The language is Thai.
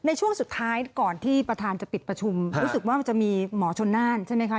ในช่วงสุดท้ายก่อนที่ประธานจะปิดประชุมรู้สึกว่ามันจะมีหมอชนน่านใช่ไหมคะ